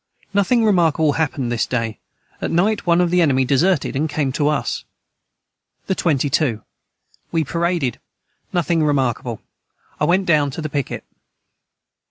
Nothing remarkable hapened this day at night one of the enemy deserted and came to us. the 22. We paraded nothing remarkable I went down to the piquet.